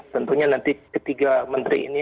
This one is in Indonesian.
tentunya nanti ketiga menteri ini